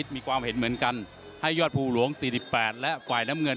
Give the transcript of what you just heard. สมีความเหยอดภูหหลวงสี่สิบแปดและกว่ายน้ำเงิน